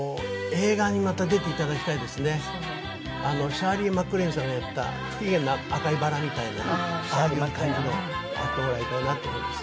シャーリー・マクレーンさんがやった『不機嫌な赤いバラ』みたいなああいう感じのをやってもらいたいなと思います。